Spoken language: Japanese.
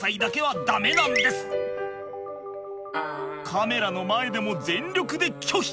カメラの前でも全力で拒否！